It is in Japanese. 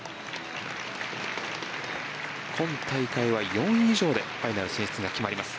今大会は４位以上でファイナル進出が決まります。